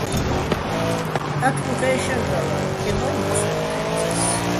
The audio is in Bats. ტათბუხ ე́შარდალარ, ე ბა ინცლუჼ ჴელწეს.